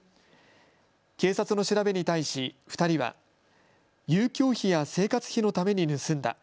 警察の調べに対し２人は遊興費や生活費のために盗んだ。